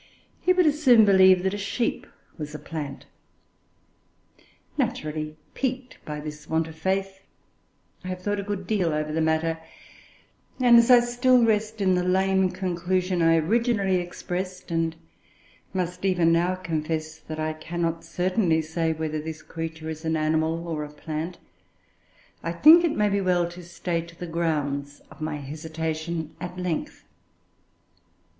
He would as soon believe that a sheep was a plant. Naturally piqued by this want of faith, I have thought a good deal over the matter; and, as I still rest in the lame conclusion I originally expressed, and must even now confess that I cannot certainly say whether this creature is an animal or a plant, I think it may be well to state the grounds of my hesitation at length.